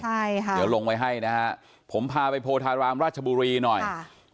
ใช่ค่ะเดี๋ยวลงไว้ให้นะฮะผมพาไปโพธารามราชบุรีหน่อยค่ะ